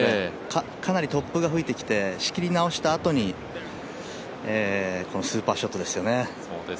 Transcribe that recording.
かなり突風が吹いてきて仕切り直したあとにこのスーパーショットですよね。